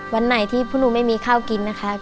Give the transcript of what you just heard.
วันไหนที่พวกหนูไม่มีข้าวกินนะคะ